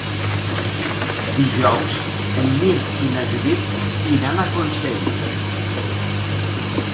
Dijous en Mirt i na Judit iran a Consell.